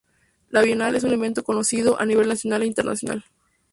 La Bienal es un evento reconocido a nivel nacional e internacional.